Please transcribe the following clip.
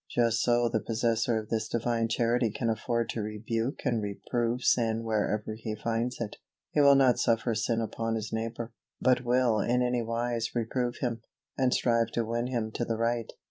Just so the possessor of this Divine Charity can afford to rebuke and reprove sin wherever he finds it. He will not suffer sin upon his neighbor, but will in any wise reprove him, and strive to win him to the right.